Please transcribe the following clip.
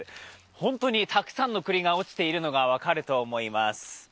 ホントにたくさんの栗が落ちているのが分かると思います。